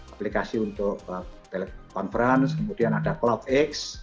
aplikasi untuk telekonference kemudian ada cloudx